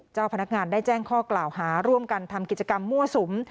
เจ้าพนักงานได้แจ้งข้อกล่าวหาร่วมกันทำกิจกรรมมั่วสุม